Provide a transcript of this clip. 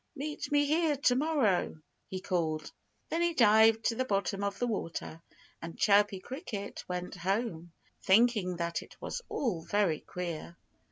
"Meet me here to morrow!" he called. Then he dived to the bottom of the water. And Chirpy Cricket went home, thinking that it was all very queer.